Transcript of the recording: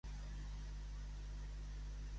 Dubta l'amor per part d'ell?